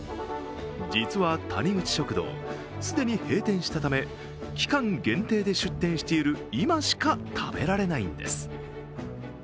実は、谷口食堂、既に閉店したため期間限定で出店している今しか食べられないんです。